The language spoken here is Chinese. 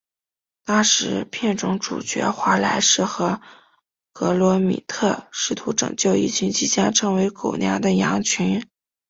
当时片中主角华莱士和格罗米特试图拯救一群即将成为狗粮的羊群。